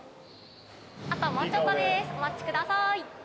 あともうちょっとですお待ちください。